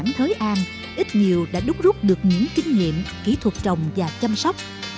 nhãn thứ an ít nhiều đã đúc rút được những kinh nghiệm kỹ thuật trồng và chăm sóc